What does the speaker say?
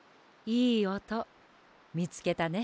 いいおとみつけたね。